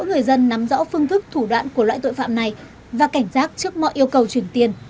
người dân nắm rõ phương thức thủ đoạn của loại tội phạm này và cảnh giác trước mọi yêu cầu chuyển tiền